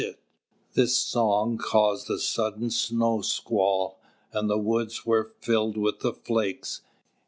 This song caused a sudden snow squall, and the woods were filled with the flakes.